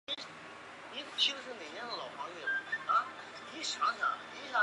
授监察御史。